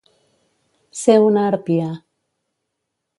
Ser una harpia.